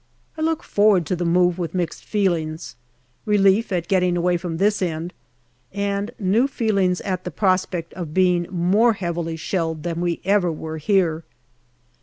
I look forward to the move with mixed feelings relief at getting away from this end, and new feelings at the prospect of being more heavily shelled than we ever were here.